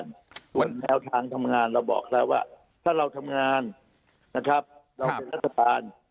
แนวทางทำงานเราบอกก่อนแล้วว่าถ้าเราทำงานเราเป็นรัฐบาล